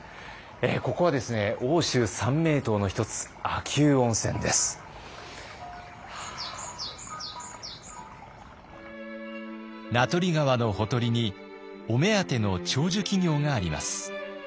ここはですね名取川のほとりにお目当ての長寿企業があります。